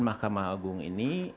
mahkamah agung ini